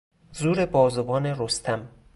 زور بازوان رستم